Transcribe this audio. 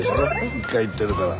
１回行ってるから。